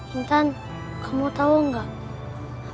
intan kamu tau gak